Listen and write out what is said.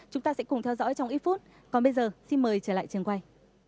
chúng ta sẽ cùng theo dõi trong ít phút còn bây giờ xin mời trở lại trường quay